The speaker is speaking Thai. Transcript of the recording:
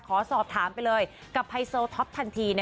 ขอสอบถามไปเลยกับไฮโซท็อปทันที